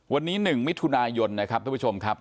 วันนี้๑มิถุนายนนะครับท่านผู้ชมครับ